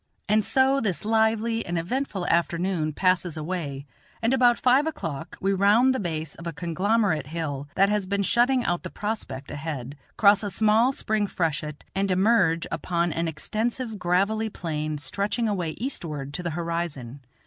And so this lively and eventful afternoon passes away, and about five o'clock we round the base of a conglomerate hill that has been shutting out the prospect ahead, cross a small spring freshet, and emerge upon an extensive gravelly plain stretching away eastward to the horizon.